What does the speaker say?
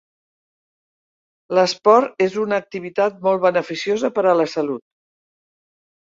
L'esport és una activitat molt beneficiosa per a la salut.